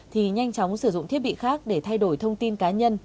thì nhanh chóng sử dụng thiết bị khác để thay đổi thông tin cá nhân